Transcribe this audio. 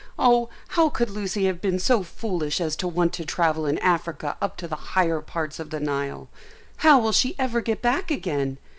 Oh, how could Lucy have been so foolish as to want to travel in Africa up to the higher parts of the Nile? How will she ever get back again?